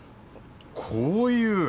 こういう。